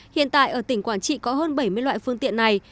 hiện tại ở tỉnh quảng trị có hơn bảy mươi loại phương tiện này